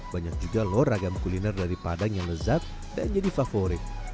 banyak juga loh ragam kuliner dari padang yang lezat dan jadi favorit